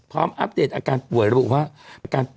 อัปเดตอาการป่วยระบุว่า